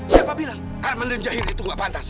siapa bilang arman dan jahira itu gak pantas